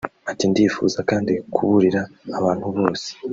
Ati “Ndifuza kandi kuburira abantu bose